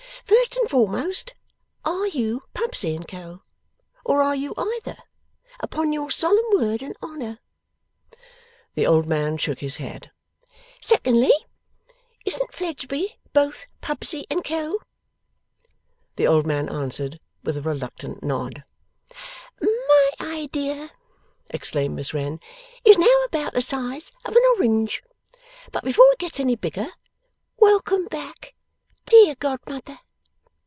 First and foremost, are you Pubsey and Co., or are you either? Upon your solemn word and honour.' The old man shook his head. 'Secondly, isn't Fledgeby both Pubsey and Co.?' The old man answered with a reluctant nod. 'My idea,' exclaimed Miss Wren, 'is now about the size of an orange. But before it gets any bigger, welcome back, dear godmother!